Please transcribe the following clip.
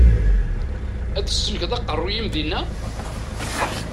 Ad tsellkeḍ aqeṛṛu-yim dinna?